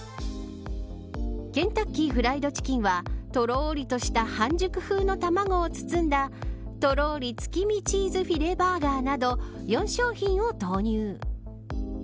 ケンタッキーフライドチキンはとろーりとした半熟風の卵を包んだとろり月見チーズフィレバーガーなど４商品を投入。